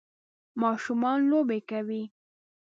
ماشومان لوبې کوي